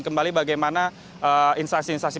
kembali bagaimana instasi instasi